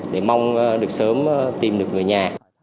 để mong được sớm tìm được người nhà